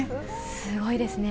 すごいですね。